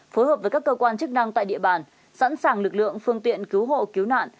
phối hợp với các cơ quan chức năng tại địa bàn sẵn sàng lực lượng phương tiện cứu hộ cứu nạn